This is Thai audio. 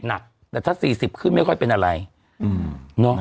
หนักสี่สิบขึ้นไม่ค่อยเป็นอะไรอือเนาะน่ะ